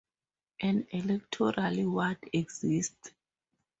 An electoral ward exists.